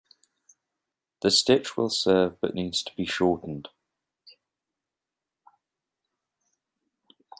The stitch will serve but needs to be shortened.